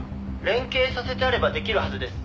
「連携させてあればできるはずです」